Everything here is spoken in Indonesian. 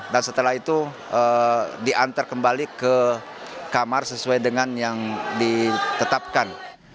dan setelah itu diantar kembali ke kamar sesuai dengan yang ditetapkan